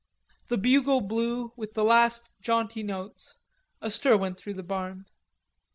The bugle blew with the last jaunty notes, a stir went through the barn.